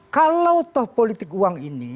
kalau toh politik uang ini